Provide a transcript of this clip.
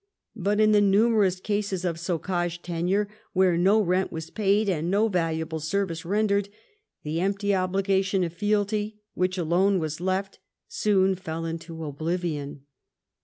But in the numerous cases of socage tenure, where no rent was paid and no valuable service rendered, the empty obligation of fealty, which alone was left, soon fell into oblivion.